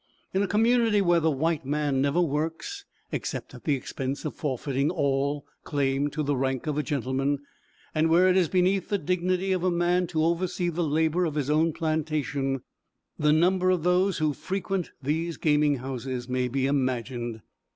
In a community where the white man never works, except at the expense of forfeiting all claim to the rank of a gentleman, and where it is beneath the dignity of a man to oversee the labor of his own plantation, the number of those who frequent these gaming houses may be imagined.